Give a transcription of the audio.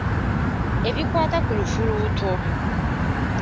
Ebikwata ku lufuluuto.